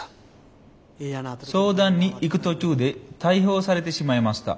相談に行く途中で逮捕されてしまいました。